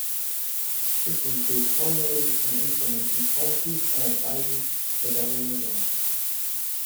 This includes formulating and implementing policies and advising the Governor-General.